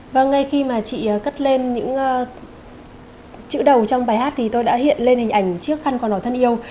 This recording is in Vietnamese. và ngay khi mà chị cất lên những chữ đầu trong bài hát thì tôi đã hiện lên hình ảnh chiếc khăn còn đỏ thân yêu